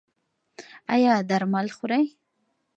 ایا درمل خورئ؟